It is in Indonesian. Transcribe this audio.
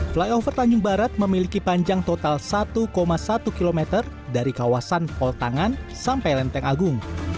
flyover tanjung barat memiliki panjang total satu satu km dari kawasan pol tangan sampai lenteng agung